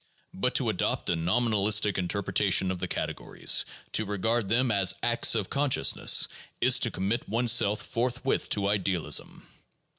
But to adopt a nom inalistic interpretation of the categories, to regard them as acts of consciousness, is to commit oneself forthwith to idealism.